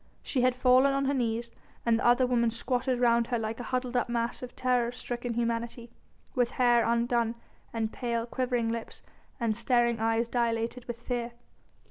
She had fallen on her knees and the other women squatted round her like a huddled up mass of terror stricken humanity, with hair undone and pale, quivering lips and staring eyes dilated with fear.